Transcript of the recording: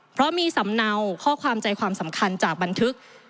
เพราะมีสำเนาข้อความใจความสำคัญจากบันทึก